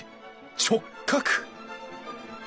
直角！